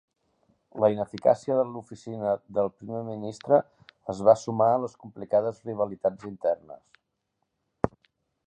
La ineficàcia de l'oficina del primer ministre es va sumar a les complicades rivalitats internes.